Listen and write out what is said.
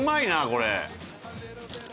これ。